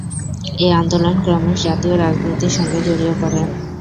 এ আন্দোলন ক্রমশ জাতীয় রাজনীতির সঙ্গে জড়িয়ে পড়ে।